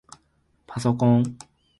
ぱそこん